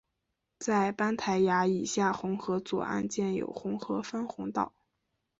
在班台闸以下洪河左岸建有洪河分洪道。